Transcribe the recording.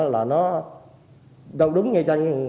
là nó đúng nghe chăng